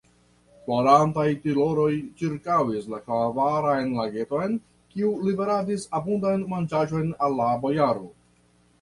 Florantaj tilioj ĉirkaŭis la klarakvan lageton, kiu liveradis abundan manĝaĵon al la bojaro.